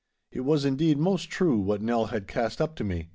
It was, indeed, most true what Nell had cast up to me.